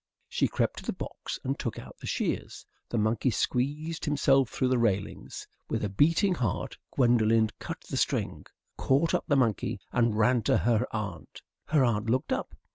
She crept to the box and took out the shears. The monkey squeezed himself through the railings. With a beating heart Gwendolen cut the string, caught up the monkey, and ran to her aunt. Her aunt looked up.